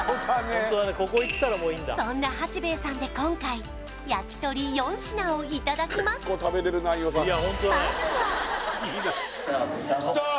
そんな八兵衛さんで今回焼き鳥４品をいただきますきたー！